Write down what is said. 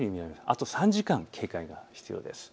あと３時間、警戒が必要です。